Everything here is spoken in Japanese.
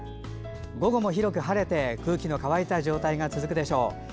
午後も広く晴れて空気の乾いた状態が続くでしょう。